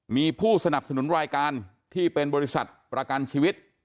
มีผู้สนับสนุนรายการที่เป็นบริษัทประกันชีวิต